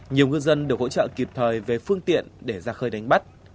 nhiều ngư dân được hỗ trợ kịp thời về phương tiện để ra khơi đánh bắt